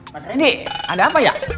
mas edi ada apa ya